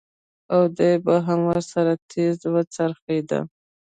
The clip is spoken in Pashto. او دى به هم ورسره تېز وڅرخېد.